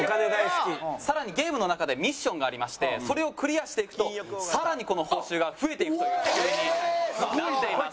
更にゲームの中でミッションがありましてそれをクリアしていくと更にこの報酬が増えていくという仕組みになっています。